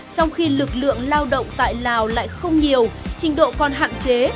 trong khi lực lượng lao động tại lào lại không nhiều trình độ còn hạn chế